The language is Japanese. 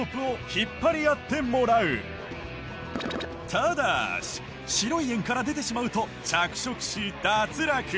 ただし白い円から出てしまうと着色し脱落。